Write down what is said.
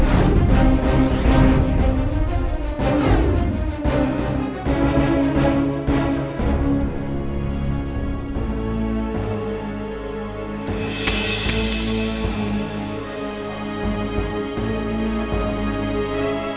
sabarlah perlahan kita pasti tahu kelemahannya